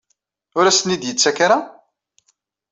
Ur as-ten-id-yettak ara?